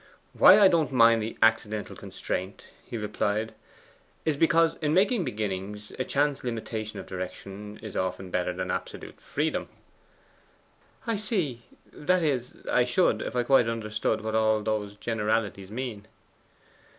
'Why I don't mind the accidental constraint,' he replied, 'is because, in making beginnings, a chance limitation of direction is often better than absolute freedom.' 'I see that is, I should if I quite understood what all those generalities mean.